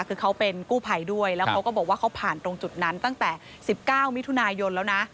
คือเขาเป็นกู้ภัยด้วยแล้วเขาก็บอกว่าเขาผ่านตรงจุดนั้นตั้งแต่๑๙มิถุนายนแล้วนะ